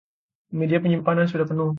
Media penyimpanan sudah penuh.